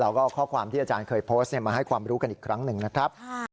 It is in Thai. เราก็เอาข้อความที่อาจารย์เคยโพสต์มาให้ความรู้กันอีกครั้งหนึ่งนะครับ